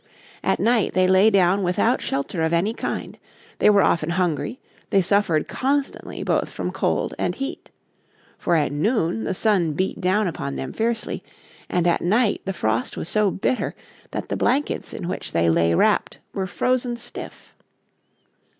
At night they lay down without shelter of any kind. They were often hungry, they suffered constantly both from cold and heat. For at noon the sun beat down upon them fiercely, and at night the frost was so bitter that the blankets in which they lay wrapped were frozen stiff.